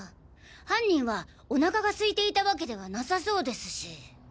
犯人はお腹がすいていたわけではなさそうですし。